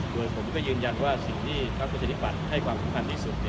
โดยผมก็ยืนยันว่าสิ่งที่ท่านพระเจนิกวัลให้คุ้มคันที่สุด